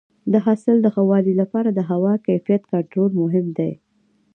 د حاصل د ښه والي لپاره د هوا کیفیت کنټرول مهم دی.